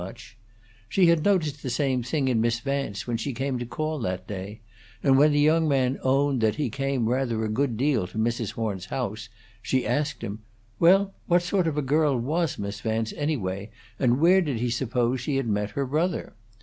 She had noticed the same thing in Miss Vance when she came to call that day; and when the young man owned that he came rather a good deal to Mrs. Horn's house, she asked him, Well, what sort of a girl was Miss Vance, anyway, and where did he suppose she had met her brother?